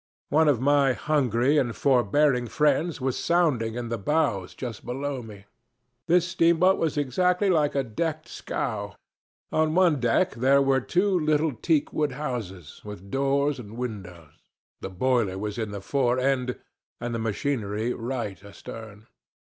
"One of my hungry and forbearing friends was sounding in the bows just below me. This steamboat was exactly like a decked scow. On the deck there were two little teak wood houses, with doors and windows. The boiler was in the fore end, and the machinery right astern.